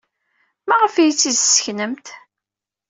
Maɣef ay iyi-t-id-tesseknemt?